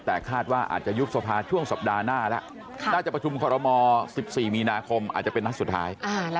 แต่คาดว่าอาจจะยุบสภาช่วงสัปดาห์หน้าแล้วน่าจะประชุมคอรมอล๑๔มีนาคมอาจจะเป็นนัดสุดท้าย